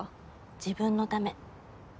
自分のため。